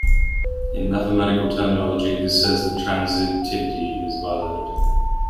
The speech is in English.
In mathematical terminology, this says that transitivity is violated.